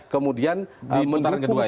kemudian di putaran kedua ya